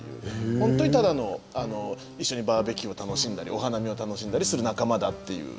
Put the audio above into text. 本当にただの一緒にバーベキューを楽しんだりお花見を楽しんだりする仲間だっていう。